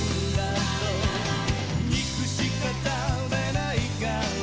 「肉しか食べないから」